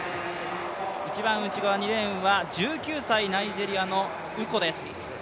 一番内側、２レーンは１９歳ナイジェリアのウコです。